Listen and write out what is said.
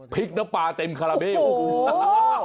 พริกแล้วปลาเต็มคาราเบียบ